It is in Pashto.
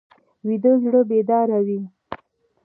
ویده زړه بیداره وي